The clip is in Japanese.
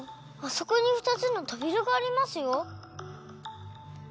あそこにふたつのとびらがありますよ！